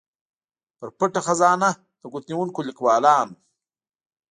پر پټه خزانه د ګوتنیونکو ليکوالانو